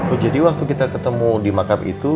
oh jadi waktu kita ketemu di makam itu